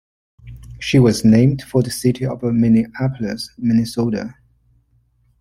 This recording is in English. She was named for the city of Minneapolis, Minnesota.